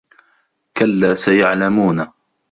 كَلّا سَيَعلَمونَ